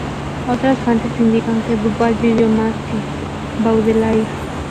Otras fuentes indican que Duval vivió más que Baudelaire.